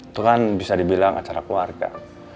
itu kan bisa dibilang acara keluarga